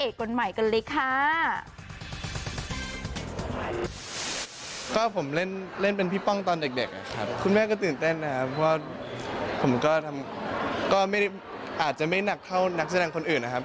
คุณแม่ก็ตื่นเต้นนะครับเพราะผมก็ทำก็อาจจะไม่หนักเท่านักแสดงคนอื่นนะครับ